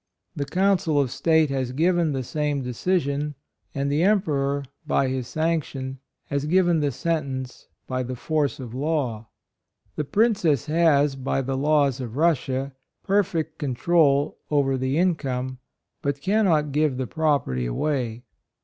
The Council of State has given the same decision, and the Emperor, by his sanction, has given the sentence the force of law. " The Princess has, by the laws of Russia, perfect control over the income, but cannot give the prop erty away.